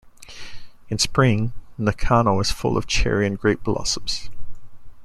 In spring, Nakano is full of cherry and grape blossoms.